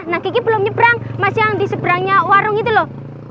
nah kiki belum nyebrang masih yang diseberangnya warung itu loh